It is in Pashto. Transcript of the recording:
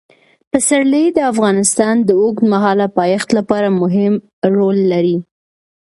پسرلی د افغانستان د اوږدمهاله پایښت لپاره مهم رول لري.